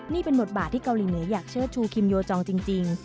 นี่เป็นบทบาทที่เกาหลีเหนืออยากเชิดชูคิมโยจองจริง